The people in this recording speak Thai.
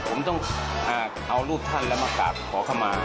ผมต้องเอารูปท่านละแม่กกขอเข้ามา